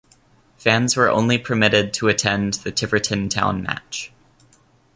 Fans were only permitted to attend the Tiverton Town match.